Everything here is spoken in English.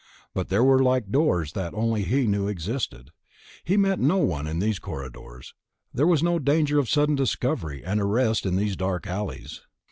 But there were like doors that only he knew existed. He met no one in these corridors, there was no danger of sudden discovery and arrest in these dark alleys....